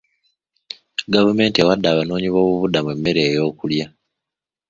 Gavumenti ewadde abanoonyi b'obubudamu emmere ey'okulya.